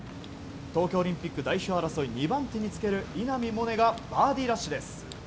東京オリンピック代表争い２番手につける稲見萌寧がバーディーラッシュです。